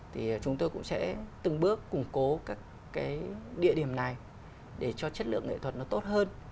thì chúng tôi cũng sẽ từng bước củng cố các cái địa điểm này để cho chất lượng nghệ thuật nó tốt hơn